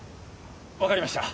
わかりました。